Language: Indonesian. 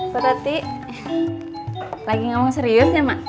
buat tati lagi ngomong serius ya emak